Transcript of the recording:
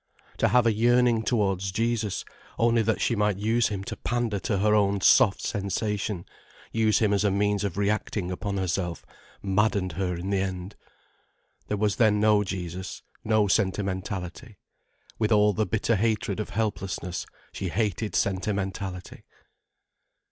To have a yearning towards Jesus, only that she might use him to pander to her own soft sensation, use him as a means of reacting upon herself, maddened her in the end. There was then no Jesus, no sentimentality. With all the bitter hatred of helplessness she hated sentimentality.